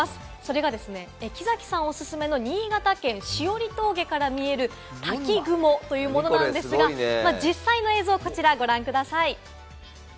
それが木崎さんおすすめの新潟県枝折峠から見える滝雲というものなんですが、実際の映像、こちらご覧ください。